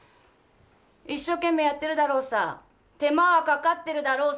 一生懸命やってるだろうさ手間はかかってるだろうさ